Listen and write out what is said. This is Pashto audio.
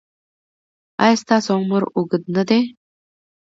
ایا ستاسو عمر اوږد نه دی؟